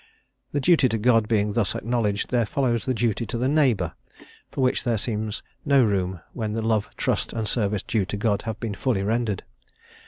The duty to God being thus acknowledged, there follows the duty to the neighbour, for which there seems no room when the love, trust, and service due to God have been fully rendered.